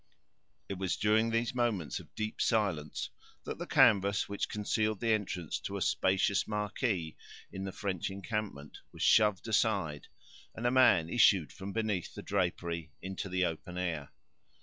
It was during these moments of deep silence that the canvas which concealed the entrance to a spacious marquee in the French encampment was shoved aside, and a man issued from beneath the drapery into the open air.